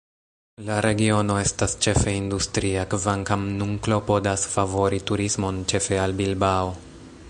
La regiono estas ĉefe industria, kvankam nun klopodas favori turismon, ĉefe al Bilbao.